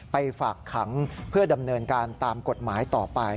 ฝากขังเพื่อดำเนินการตามกฎหมายต่อไป